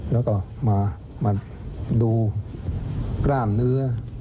แล้วก็มาดูกล้ามเนื้อ